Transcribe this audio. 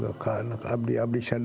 saya sudah berada di rumah